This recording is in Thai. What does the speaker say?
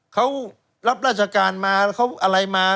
เขารับราชการมาเขาอะไรมา